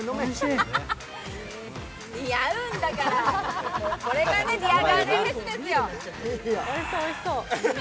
似合うんだから、これがビアガーデンフェスですよ。